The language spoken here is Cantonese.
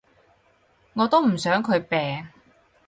我都唔想佢病